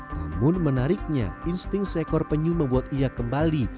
namun menariknya insting seekor penyu membuat ia kembali